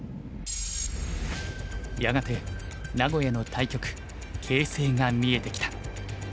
やがて名古屋の対局形勢が見えてきた。